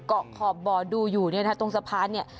เกาะขอบบอดูอยู่ตรงสะพานนี่